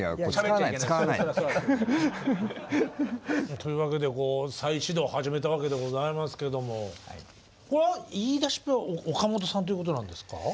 というわけで再始動を始めたわけでございますけどもこれは言いだしっぺは岡本さんということなんですか？